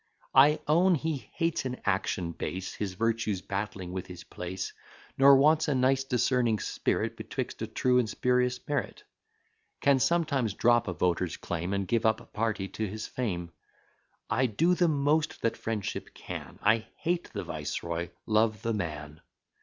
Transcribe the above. I own he hates an action base, His virtues battling with his place: Nor wants a nice discerning spirit Betwixt a true and spurious merit; Can sometimes drop a voter's claim, And give up party to his fame. I do the most that friendship can; I hate the viceroy, love the man.